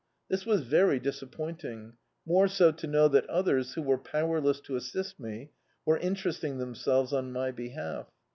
This was very disappointing, more so to know that others, who were powerless to assist me, were interesting themselves on my behalf.